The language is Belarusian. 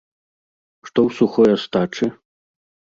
Што у сухой астачы?